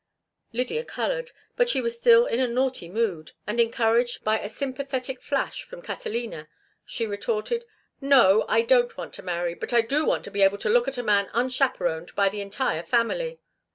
Lydia colored, but she was still in a naughty mood, and, encouraged by a sympathetic flash from Catalina, she retorted: "No, I don't want to marry, but I do want to be able to look at a man unchaperoned by the entire family.